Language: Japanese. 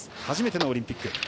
初めてのオリンピック。